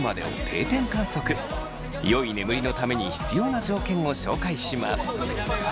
よい眠りのために必要な条件を紹介します。